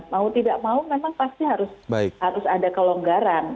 mau tidak mau memang pasti harus ada kelonggaran